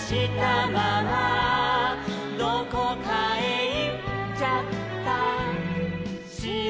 「どこかへいっちゃったしろ」